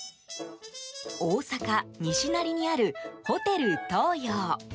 大阪・西成にあるホテル東洋。